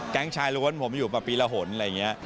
แก๊งชายลวนผมอยู่ปีละหนฯอะไรอย่างนี้